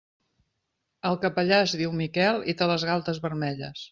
El capellà es diu Miquel i té les galtes vermelles.